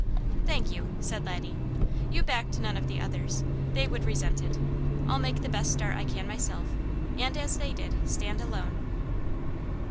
"Thank you!" said Laddie. "You backed none of the others. They would resent it. I'll make the best start I can myself, and as they did, stand alone."